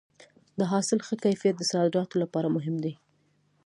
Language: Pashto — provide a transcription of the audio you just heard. د حاصل ښه کیفیت د صادراتو لپاره مهم دی.